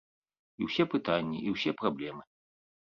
І ўсе пытанні, і ўсе праблемы.